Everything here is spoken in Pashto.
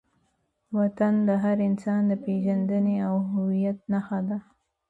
وطن د هر انسان د پېژندنې او هویت نښه ده.